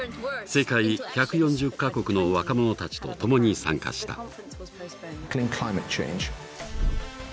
世界１４０か国の若者たちと共に参加した。